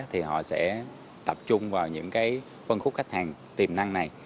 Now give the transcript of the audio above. thì họ sẽ tập trung vào những cái phân khúc khách hàng tiềm năng này